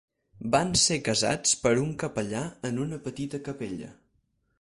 Van ser casats per un capellà en una petita capella.